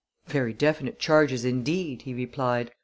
"Very definite charges indeed!" he replied.